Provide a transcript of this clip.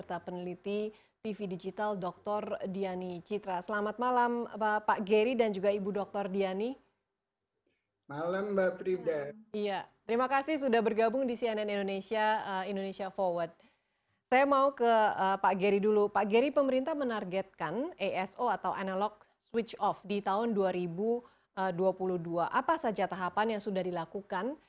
apa saja tahapan yang sudah dilakukan